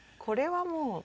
これはもう。